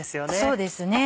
そうですね